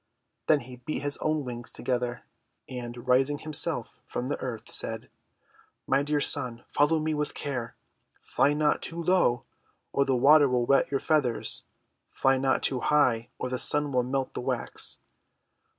Then he beat his own wings together, and, raising himself from the earth, said : 'My dear son, follow me with care. Fly not too low, or the water will wet your feathers. Fly not too high, or the Sun will melt the wax."